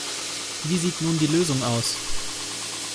Wie sieht nun die Lösung aus?